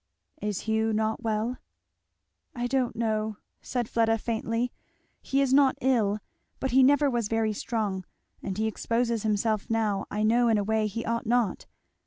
"Is Hugh not well?" "I don't know, " said Fleda faintly, "he is not ill but he never was very strong, and he exposes himself now I know in a way he ought not.